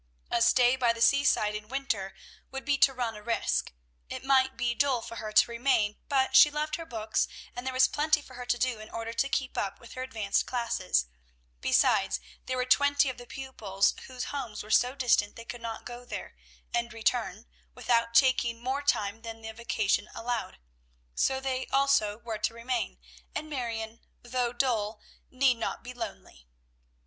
A stay by the seaside in winter would be to run a risk. It might be dull for her to remain, but she loved her books, and there was plenty for her to do in order to keep up with her advanced classes; besides, there were twenty of the pupils whose homes were so distant they could not go there, and return, without taking more time than the vacation allowed, so they, also, were to remain, and Marion, though dull, need not be lonely.